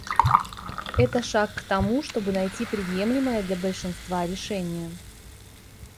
Это шаг к тому, чтобы найти приемлемое для большинства решение.